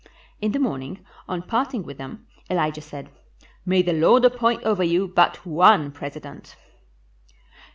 In the morning, on parting with them, Elijah said, "May the Lord appoint over you but one president."